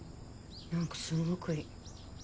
何かすごくいい。